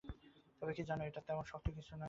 তবে কী জানো এটা তেমন শক্ত একটা কিছু নয়।